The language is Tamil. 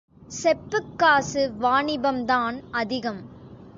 செப்புக் காசு வாணிபம் தான் அதிகம்.